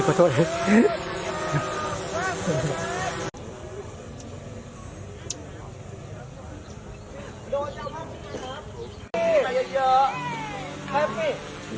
ทุกวันเมื่อเยอะมีประมาณ๔๐๕๐นาที